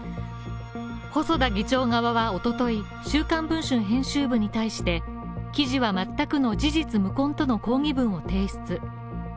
細田議長側は一昨日、「週刊文春」編集部に対して、記事は全くの事実無根との抗議文を提出。